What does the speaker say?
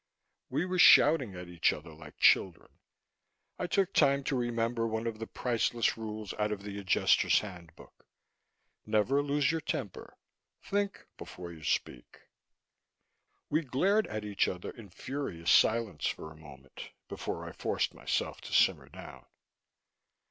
We were shouting at each other like children. I took time to remember one of the priceless rules out of the Adjusters' Handbook: Never lose your temper; think before you speak. We glared at each other in furious silence for a moment before I forced myself to simmer down.